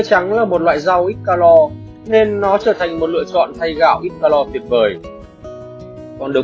trắng là một loại rau ít calor nên nó trở thành một lựa chọn thay gạo ít calor tuyệt vời còn được